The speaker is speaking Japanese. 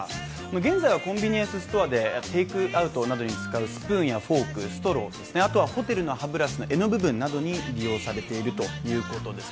現在はコンビニエンスストアでテークアウトに使うスプーンやフォーク、ストロー、あとはホテルの歯ブラシの柄の部分などに利用されているということです。